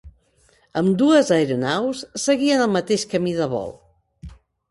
Ambdues aeronaus seguien el mateix camí de vol.